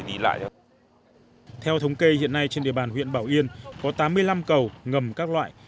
theo thống kê hiện nay trên địa bàn huyện bảo yên có tám mươi năm cầu ngầm các loại